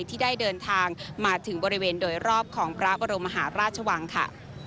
ที่ได้เดินทางมาถึงบริเวณโดยรอบของพระบรมมหาราชวังค่ะ